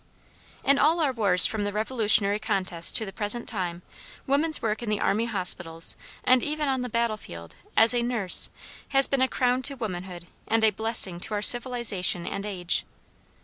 In all our wars from the Revolutionary contest to the present time, woman's work in the army hospitals, and even on the battle field, as a nurse, has been a crown to womanhood and a blessing to our civilization and age.